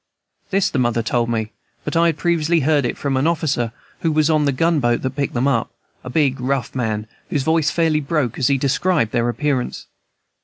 This the mother told me, but I had previously heard it from on officer who was on the gunboat that picked them up, a big, rough man, whose voice fairly broke as he described their appearance.